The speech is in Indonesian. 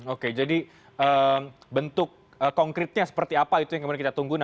oke jadi bentuk konkretnya seperti apa itu yang kemudian kita tunggu